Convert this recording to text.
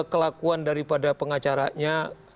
kelakuan daripada pengacaranya